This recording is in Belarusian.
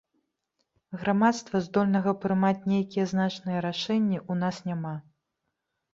Грамадства, здольнага прымаць нейкія значныя рашэнні ў нас няма.